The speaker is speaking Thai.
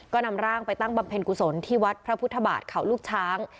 ก็นำร่างไปตั้งบำเพ็ญกุศลที่วัดพระพุทธบาทเขาลูกช้าง